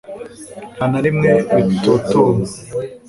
nta na rimwe bitotomba